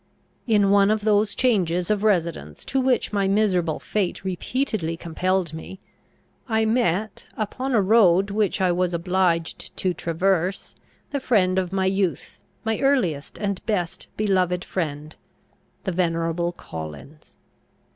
In one of those changes of residence, to which my miserable fate repeatedly compelled me, I met, upon a road which I was obliged to traverse, the friend of my youth, my earliest and best beloved friend, the venerable Collins.